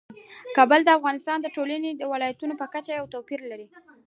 کابل د افغانستان د ټولو ولایاتو په کچه یو توپیر لري.